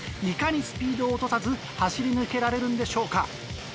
いかにスピードを落とさず走り抜けられるんでしょうか。